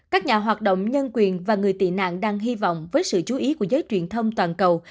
các nhà hoạt động nhân quyền và người tị nạn đang hy vọng với sự chú ý của giới truyền thông toàn cầu